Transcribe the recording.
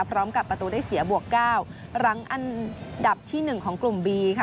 พร้อมกับประตูได้เสียบวกเก้ารั้งอันดับที่หนึ่งของกลุ่มบี้ค่ะ